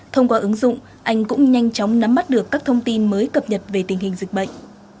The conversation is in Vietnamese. thông qua ứng dụng anh cũng nhanh chóng nắm mắt được các thông tin mới cập nhật về tình hình dịch bệnh